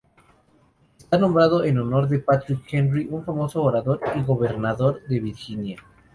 Está nombrado en honor de Patrick Henry, un famoso orador y Governador de Virginia.